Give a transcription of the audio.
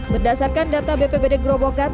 berdasarkan data bppd gerobokan